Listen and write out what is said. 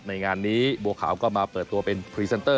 ในงานนี้บัวขาวก็มาเปิดตัวเป็นพรีเซนเตอร์